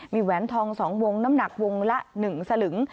มีแหวนทอง๒วงน้ำหนักวงละ๑สลึง